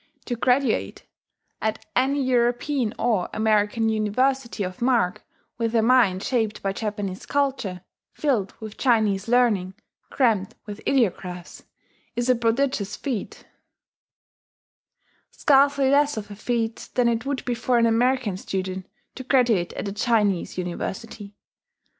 To graduate at any European or American University of mark, with a mind shaped by Japanese culture, filled with Chinese learning, crammed with ideographs, is a prodigious feat: scarcely less of a feat than it would be for an American student to graduate at a Chinese University.